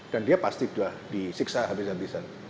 dan dia pasti sudah disiksa habis habisan